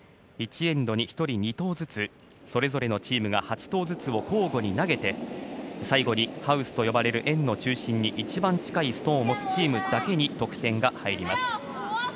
１エンドに１人２投ずつそれぞれのチームが８投ずつを交互に投げて最後にハウスと呼ばれる円の中心に一番近いストーンを持つチームだけに得点が入ります。